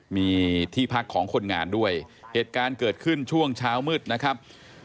มีที่พักของคนงานด้วยเหตุการณ์เกิดขึ้นช่วงเช้ามืดนะครับ